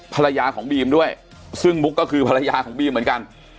ภรรยาของบีมด้วยซึ่งมุกก็คือภรรยาของบีมเหมือนกัน